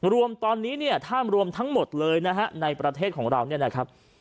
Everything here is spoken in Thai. รวมตอนนี้ถ้ำรวมทั้งหมดเลยในประเทศของเรา